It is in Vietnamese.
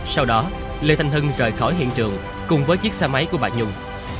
sau đó lê thanh hưng rời khỏi hiện trường cùng với chiếc xe máy của bà nhung